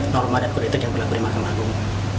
norma dan politik yang berlaku di mahkamah agung